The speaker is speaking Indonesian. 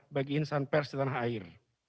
bagi insan pers di tanah air